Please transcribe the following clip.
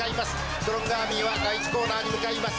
ストロングアーミーは第１コーナーに向かいます